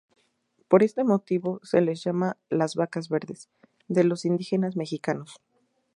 Por este motivo se les llama las "vacas verdes" de los indígenas mexicanos.